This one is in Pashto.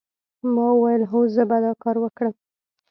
ما وویل هو زه به دا کار وکړم